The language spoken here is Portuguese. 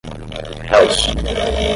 réus